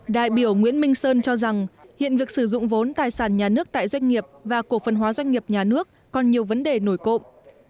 đại biểu nguyễn minh sơn cho rằng hiện việc sử dụng vốn tài sản nhà nước tại doanh nghiệp và cổ phần hóa doanh nghiệp nhà nước còn nhiều vấn đề nổi cộm